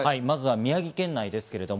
まずは宮城県内です。